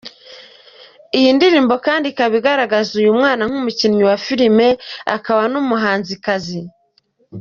Iyi ndirimbo kandi ikaba igaragaza uyu mwana nk’umukinnyi wa filimi akaba n’umuhanzikazi.